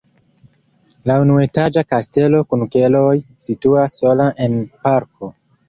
La unuetaĝa kastelo kun keloj situas sola en parko.